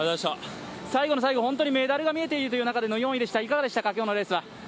最後の最後、本当にメダルが見えているという中での４位でした、いかがでしたか今日のレースは。